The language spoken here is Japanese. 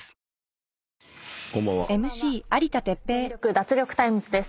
脱力タイムズ』です。